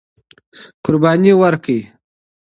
قرباني ورکړئ.